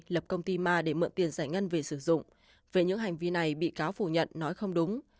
lập công ty ma để mượn tiền giải ngân về sử dụng về những hành vi này bị cáo phủ nhận nói không đúng